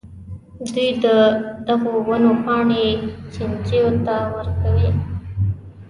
دوی د دغو ونو پاڼې چینجیو ته ورکوي.